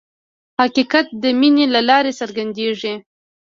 حقیقت د مینې له لارې څرګندېږي.